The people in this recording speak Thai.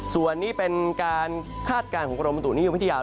ส่วนนี้เป็นคาดการณ์ของกรมบัตรุนี้อยู่ไม่ที่ยาว